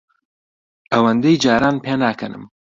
ئەوەندەی جاران پێناکەنم.